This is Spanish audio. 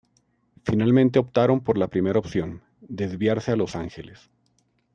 Finalmente optaron por la primera opción: desviarse a Los Ángeles.